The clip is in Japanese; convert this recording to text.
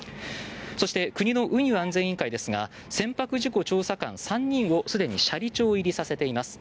そして国の運輸安全委員会ですが船舶事故調査官３人をすでに斜里町入りさせています。